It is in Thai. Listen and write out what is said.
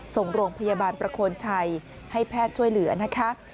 ส่งโรงพยาบาลประโคนชัยให้แพทย์ช่วยเหลือนะคะ